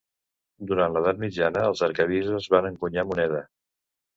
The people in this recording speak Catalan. Durant l'edat mitjana els arquebisbes van encunyar moneda.